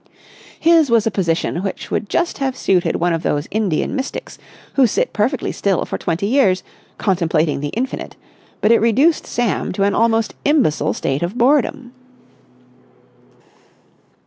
His was a position which would just have suited one of those Indian mystics who sit perfectly still for twenty years, contemplating the Infinite, but it reduced Sam to an almost imbecile state of boredom.